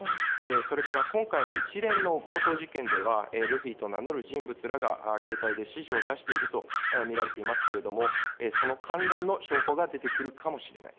それから今回の一連の強盗事件ではルフィと名乗る人物らが携帯で指示を出しているとみられていますけれどもその関連の証拠が出てくるかもしれない。